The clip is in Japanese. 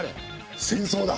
戦争だ！